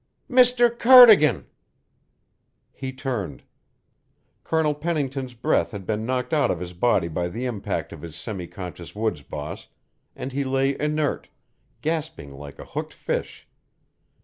"Mr. Cardigan!" He turned. Colonel Pennington's breath had been knocked out of his body by the impact of his semi conscious woods boss, and he lay inert, gasping like a hooked fish.